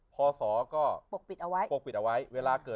พอสอก็ปกปิดเอาไว้